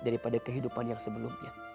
daripada kehidupan yang sebelumnya